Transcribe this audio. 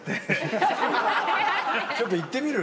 ちょっといってみる？